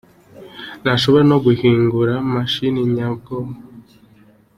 Noshobora no guhingura i mashini nyabwonko".